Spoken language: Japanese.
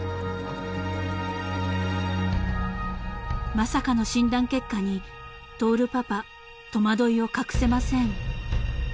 ［まさかの診断結果に亨パパ戸惑いを隠せません］